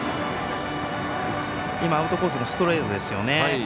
今、アウトコースのストレートですよね。